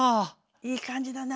いい感じだな。